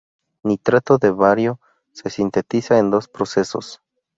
Nitrato de bario se sintetiza en dos procesos.